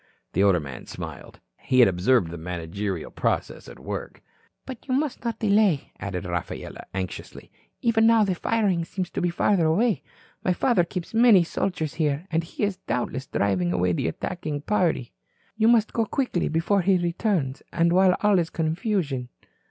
The older man smiled. He had observed the managerial process at work. "But you must not delay," added Rafaela, anxiously. "Even now the firing seems to be farther away. My father keeps many soldiers here. And he is, doubtless, driving away the attacking party. You must go quickly before he returns, and while all is confusion."